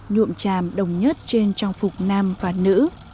nhuộm chàm đồng nhất trên trang phục nam và nữ